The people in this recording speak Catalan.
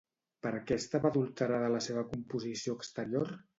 Per què estava adulterada la seva composició exterior?